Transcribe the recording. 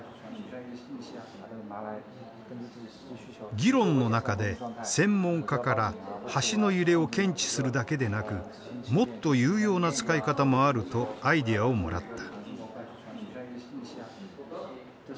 議論の中で専門家から橋の揺れを検知するだけでなくもっと有用な使い方もあるとアイデアをもらった。